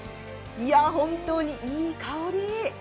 本当にいい香り。